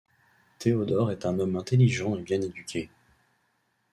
Théodore est un homme intelligent et bien éduqué.